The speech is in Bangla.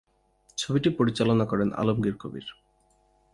ছবিটি পরিচালনা করেন আলমগীর কবির।